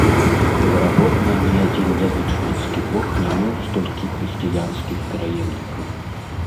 Верагодна, ні адзін язычніцкі бог не меў столькі хрысціянскіх пераемнікаў.